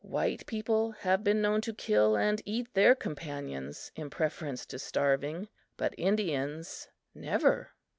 White people have been known to kill and eat their companions in preference to starving; but Indians never!